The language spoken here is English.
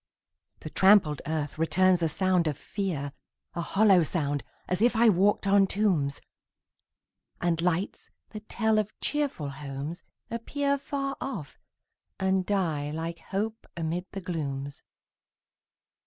The trampled earth returns a sound of fear A hollow sound, as if I walked on tombs! And lights, that tell of cheerful homes, appear Far off, and die like hope amid the glooms.